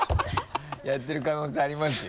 やってる可能性ありますよ。